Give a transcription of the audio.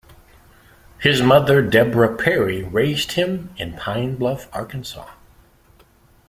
His mother Deborah Perry raised him in Pine Bluff, Arkansas.